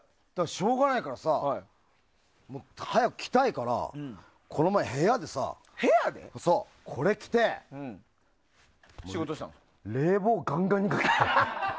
しょうがないからさ早く着たいからこの前、部屋でこれ着て冷房ガンガンにかけたの。